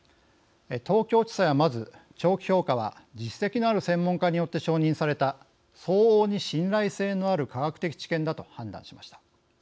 東京地裁はまず長期評価は実績のある専門家によって承認された相応に信頼性のある科学的知見だと判断しました。